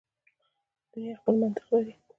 دنیا خپل منطق لري.